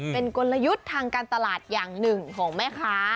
เป็นกลยุทธ์ทางการตลาดอย่างหนึ่งของแม่ค้า